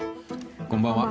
こんばんは。